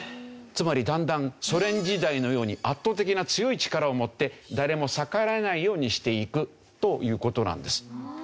つまりだんだんソ連時代のように圧倒的な強い力を持って誰も逆らえないようにしていくという事なんです。